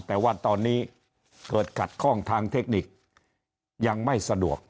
แต่ว่าตอนนี้เกิดขัดข้องทางเทคนิคยังไม่สะดวก